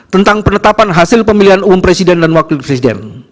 tentang penetapan hasil pemilihan umum presiden dan wakil presiden